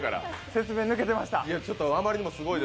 説明抜けてました。